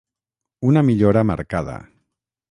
Una millora marcada.